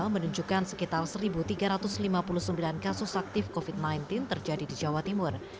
menunjukkan sekitar satu tiga ratus lima puluh sembilan kasus aktif covid sembilan belas terjadi di jawa timur